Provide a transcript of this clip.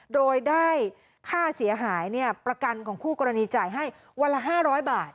โดยได้ค่าเสียหายประกันของคู่กรณีจ่ายให้วันละ๕๐๐บาท